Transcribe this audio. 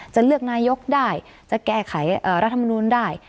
จะเลือกนายกได้จะแก้ไขรัฐมนูลได้